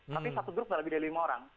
tapi satu grup sudah lebih dari lima orang